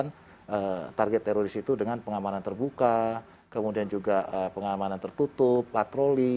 kan penyelidikan di lokasi lokasi yang menjadi sasaran target teroris itu dengan pengamanan terbuka kemudian juga pengamanan tertutup patroli